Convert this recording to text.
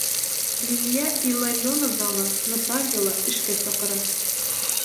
Лидия Илларионовна ла, Наталья ла эшкә саҡыра.